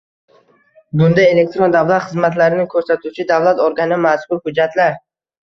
bunda elektron davlat xizmatlari ko‘rsatuvchi davlat organi mazkur hujjatlar